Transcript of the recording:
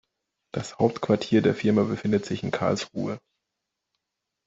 Das Hauptquartier der Firma befindet sich in Karlsruhe